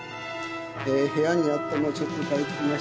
えー部屋にあったのをちょっと借りてきました。